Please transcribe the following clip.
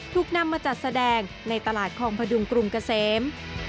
ถูกนำมาจัดแสดงในตลาดคลองพดุงกรุงเกษม